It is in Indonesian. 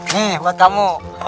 nih buat kamu